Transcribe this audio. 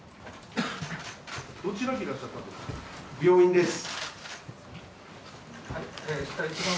病院です。